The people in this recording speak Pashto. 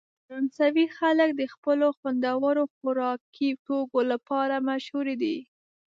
فرانسوي خلک د خپلو خوندورو خوراکي توکو لپاره مشهوره دي.